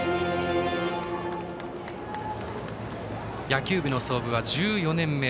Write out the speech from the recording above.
野球部の創部は１４年目。